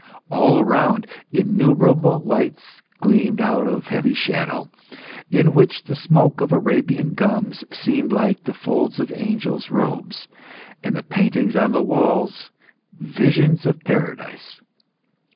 All round, innumerable lights gleamed out of the heavy shadow, in which the smoke of Arabian gums seemed like the folds of angels' robes, and the paintings on the walls visions of Paradise.